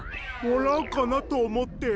わらうかなとおもって。